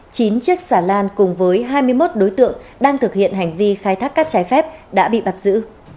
chín chiếc xà lan cùng với hai mươi một đối tượng đang thực hiện hành vi khai thác cát trái phép đã bị bắt giữ